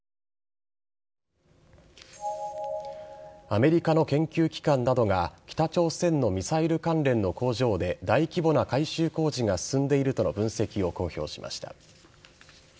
アメリカの研究機関などが北朝鮮のミサイル関連の工場で大規模な改修工事が進んでいるとの分析を公表しました。